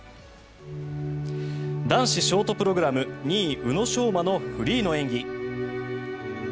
男子ショートプログラム２位、宇野昌磨のフリーの演技。